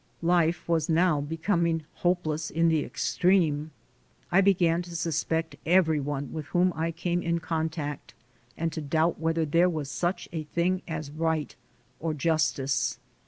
Life was now becoming hopeless in the extreme. I began to suspect every one with whom I came in contact and to doubt whether there was such a thing as right or justice.